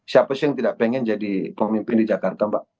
siapa sih yang tidak pengen jadi pemimpin di jakarta mbak